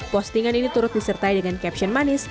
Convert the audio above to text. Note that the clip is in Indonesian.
postingan ini turut disertai dengan caption manis